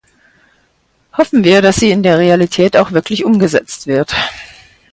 Hoffen wir, dass sie in der Realität auch wirklich umgesetzt wird.